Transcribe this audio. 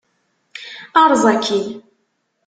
Erẓ akkin!